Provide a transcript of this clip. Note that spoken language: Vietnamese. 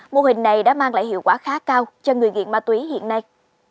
mô hình này đã mang lại hiệu quả khá cao cho người nghiện ma túy hiện nay